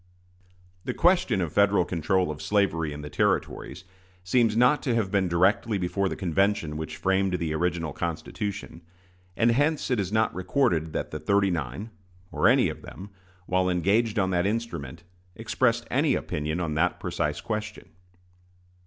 The question of Federal control of slavery in the Territories seems not to have been directly before the convention which framed the original Constitution; and hence it is not recorded that the "thirty nine" or any of them, while engaged on that instrument, expressed any opinion on that precise question.